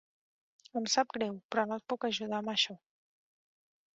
Em sap greu, però no et puc ajudar amb això.